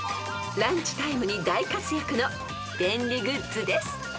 ［ランチタイムに大活躍の便利グッズです］